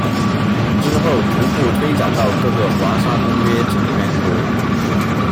之后逐步推展到各个华沙公约成员国。